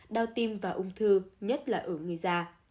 đau tim và ung thư nhất là ở người già